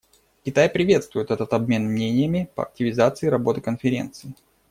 Китай приветствует этот обмен мнениями по активизации работы Конференции.